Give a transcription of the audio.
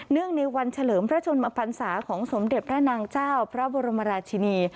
งในวันเฉลิมพระชนมพันศาของสมเด็จพระนางเจ้าพระบรมราชินี